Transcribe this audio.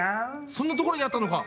そんなところにあったのか！